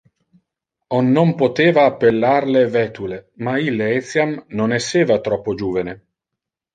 On non poteva appellar le vetule, ma ille etiam non esseva troppo juvene.